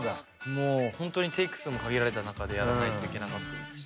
もうホントにテイク数も限られた中でやらないといけなかったし。